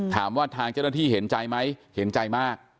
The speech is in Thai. ถามว่าทางเจ้าหน้าที่เห็นใจไหมเห็นใจมาก